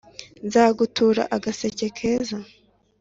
Nzagutura agaseke keza